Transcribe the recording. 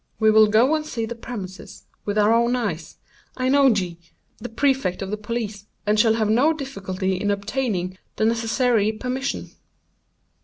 We will go and see the premises with our own eyes. I know G——, the Prefect of Police, and shall have no difficulty in obtaining the necessary permission."